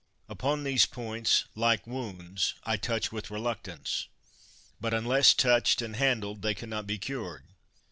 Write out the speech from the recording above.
Upon these points, like wounds, I touch with reluc tance ; but unless touched and handled, they can not be cured.